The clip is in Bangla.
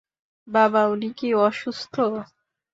বাবা, উনি কি অসুস্থ?